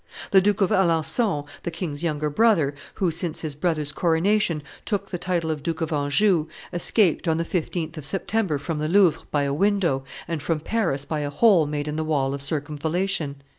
The Duke of Alencon, the king's younger brother, who, since his brother's coronation, took the title of Duke of Anjou, escaped on the 15th of September from the Louvre by a window, and from Paris by a hole made in the wall of circumvallation.